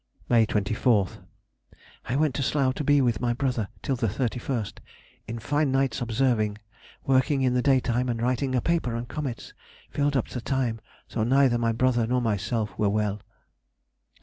May 24th.—I went to Slough to be with my brother till the 31st. In fine nights observing; working in the daytime, and writing a paper on comets, filled up the time, though neither my brother nor myself were well.